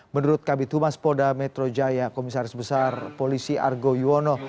menurut kabitumas poda metro jaya komisaris besar polisi argo yuwono